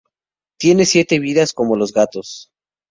Tienes siete vidas como los gatos